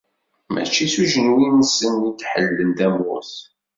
Mačči s ujenwi-nsen i d-ḥellan tamurt.